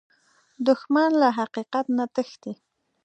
دښمن له حقیقت نه تښتي